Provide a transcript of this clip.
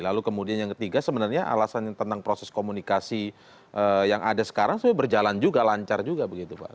lalu kemudian yang ketiga sebenarnya alasannya tentang proses komunikasi yang ada sekarang sebenarnya berjalan juga lancar juga begitu pak